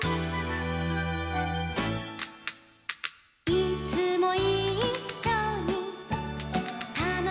「いつもいっしょにたのしくいこうよ」